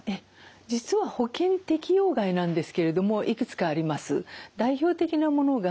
実は保険適用外なんですけれどもいくつかあります。